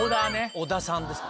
小田さんですか。